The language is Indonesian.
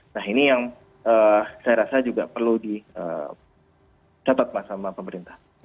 nah ini yang saya rasa juga perlu dicatat mas sama pemerintah